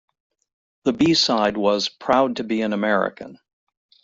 The B-side was "Proud to Be an American".